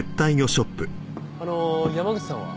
あの山口さんは？